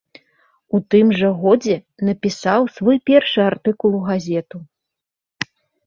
У тым жа годзе напісаў свой першы артыкул у газету.